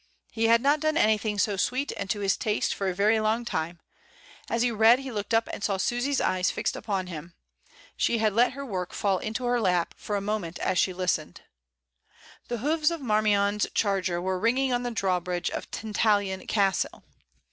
He had not done anything so sweet and to his taste for a very long time; as he read he looked up and saw Susy's eyes fixed upon THE ATELIER. 87 him; she had let her work fall into her lap for a moment as she listened. The hoofs of Marmion's charger were ringing on the drawbridge of Tan tallon Castle.